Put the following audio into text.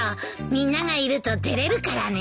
みんながいると照れるからね。